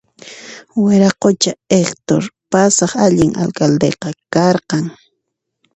Wiraqucha Hector pasaq allin alcaldeqa karqan